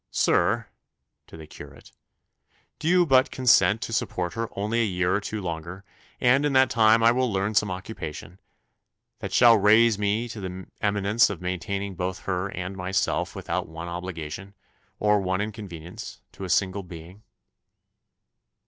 Sir (to the curate), do you but consent to support her only a year or two longer, and in that time I will learn some occupation, that shall raise me to the eminence of maintaining both her and myself without one obligation, or one inconvenience, to a single being."